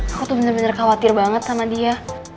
aku tuh bener bener khawatir banget sama dia